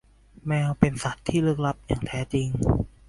แมวเป็นสัตว์ที่ลึกลับอย่างแท้จริง